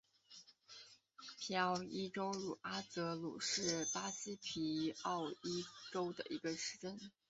皮奥伊州茹阿泽鲁是巴西皮奥伊州的一个市镇。